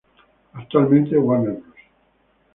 Actualmente, Warner Bros.